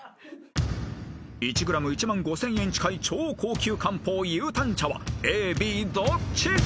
［１ｇ１万５，０００円近い超高級漢方ユウタン茶はＡＢどっち？］